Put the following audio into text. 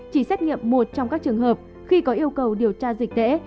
chỉ xét nghiệm một trong các trường hợp khi có yêu cầu điều tra dịch tễ